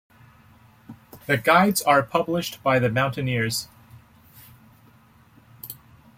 The guides are published by The Mountaineers.